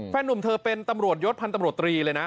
หนุ่มเธอเป็นตำรวจยศพันธ์ตำรวจตรีเลยนะ